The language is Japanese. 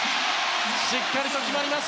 しっかりと決まります